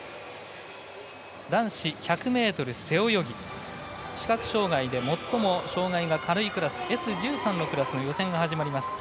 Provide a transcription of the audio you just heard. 男子１００ｍ背泳ぎ視覚障がいで最も障がいが軽いクラスＳ１３のクラスの予選が始まります。